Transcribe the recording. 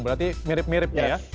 berarti mirip miripnya ya